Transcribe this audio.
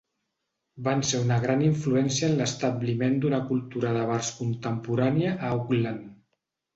Van ser una gran influència en l'establiment d'una cultura de bars contemporània a Auckland.